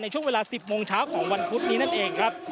ช่วงเวลา๑๐โมงเช้าของวันพุธนี้นั่นเองครับ